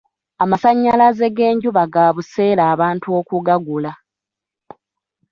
Amasannyalaze g'enjuba ga buseere abantu okugagula.